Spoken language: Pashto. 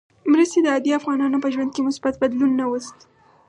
مرستې د عادي افغانانو په ژوند کې مثبت بدلون نه وست.